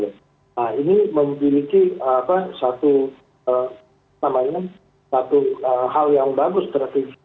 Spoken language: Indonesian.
nah ini memiliki satu hal yang bagus terhadap